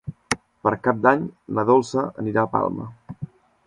Per Cap d'Any na Dolça anirà a Palma.